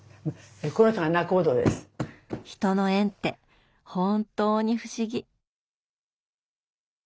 人の縁って本当に不思議。